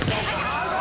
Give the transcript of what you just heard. アウト。